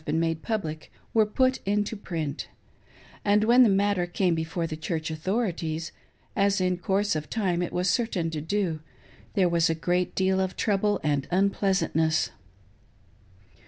been made public, were put into print; and when the matter came before the Church authorities — as in course of time it was certain to do — there was a great deal of trouble and unpleasantness.